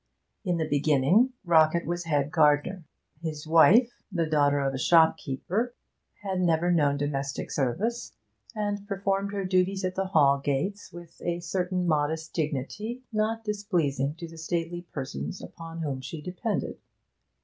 In the beginning Rockett was head gardener; his wife, the daughter of a shopkeeper, had never known domestic service, and performed her duties at the Hall gates with a certain modest dignity not displeasing to the stately persons upon whom she depended.